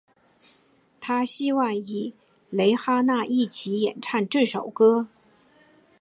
她希望与蕾哈娜一起演唱这首歌。